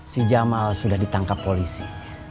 si jamal sudah ditangkap polisi